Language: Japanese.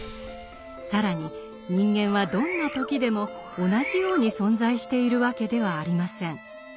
更に人間はどんな時でも同じように存在しているわけではありません。